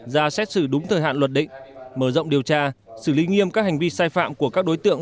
ra xét xử đúng thời hạn luật định mở rộng điều tra xử lý nghiêm các hành vi sai phạm của các đối tượng